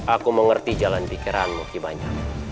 aku mengerti jalan pikiranmu kibanyak